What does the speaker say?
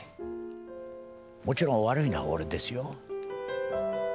もちろん悪いのは俺ですよ。